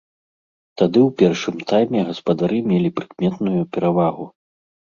Тады ў першым тайме гаспадары мелі прыкметную перавагу.